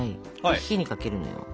火にかけるのよ。